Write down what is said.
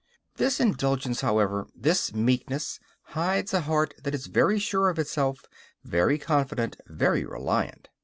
This indulgence, however, this meekness, hides a heart that is very sure of itself, very confident, very reliant.